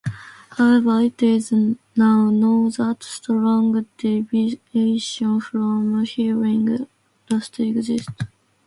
However it is now known that strong deviations from Hering's law exist.